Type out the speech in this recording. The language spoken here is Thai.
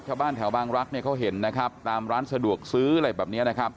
ชาวบ้านแถวบางรักเนี่ยเขาเห็นนะครับตามร้านสะดวกซื้ออะไรแบบนี้นะครับ